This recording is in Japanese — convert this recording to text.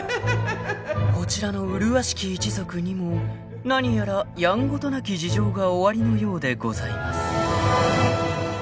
［こちらの麗しき一族にも何やらやんごとなき事情がおありのようでございます］